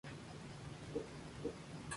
Es estimulante, tónico y astringente.